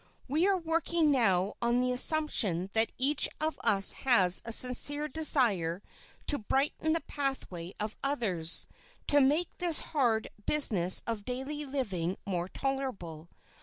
We are working now on the assumption that each of us has a sincere desire to brighten the pathway of others, to make this hard business of daily living more tolerable.